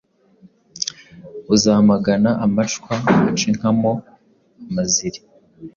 Buzamagana amacwa, Aca inka mo amaziri.